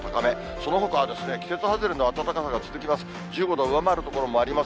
そのほかは、季節外れの暖かさが続きます。